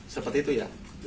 seperti itu ya